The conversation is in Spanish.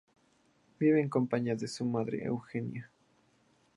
Vive en compañía de su madre Eugenia.